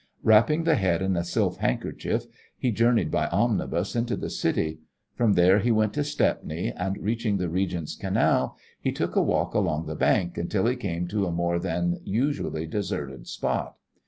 Wrapping the head in a silk handkerchief, he journeyed by omnibus into the city; from there he went to Stepney, and, reaching the Regent's Canal, he took a walk along the bank until he came to a more than usually deserted spot.